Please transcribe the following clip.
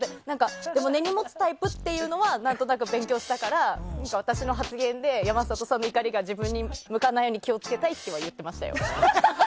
根に持つタイプっていうのは何となく勉強したから私の発言で山里さんの怒りが自分に向かないように気を付けたいとは言ってましたよ。